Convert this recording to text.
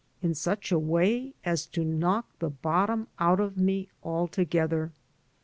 in such a way as to knock the bottom out of me altogether.